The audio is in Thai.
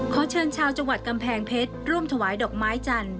ขอเชิญชาวจังหวัดกำแพงเพชรร่วมถวายดอกไม้จันทร์